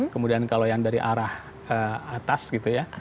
kemudian kalau yang dari arah atas gitu ya